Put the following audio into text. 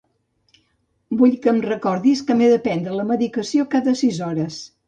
Vull que em recordis que m'he de prendre la medicació cada sis hores.